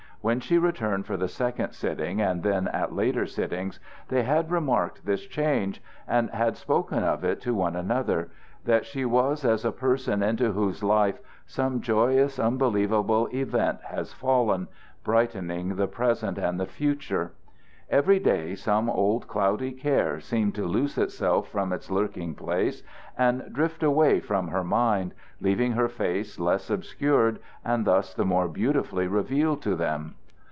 When she returned for the second sitting, and then at later sittings, they had remarked this change, and had spoken of it to one another that she was as a person into whose life some joyous, unbelievable event has fallen, brightening the present and the future. Every day some old cloudy care seemed to loose itself from its lurking place and drift away from her mind, leaving her face less obscured and thus the more beautifully revealed to them.